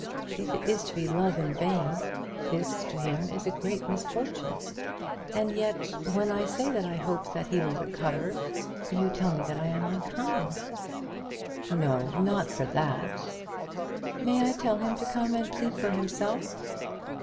If it is to be love in vain, this to him is a great misfortune. And, yet, when I say that I hope that he will recover, you tell me that I am unkind." "No; not for that." "May I tell him to come and plead for himself?"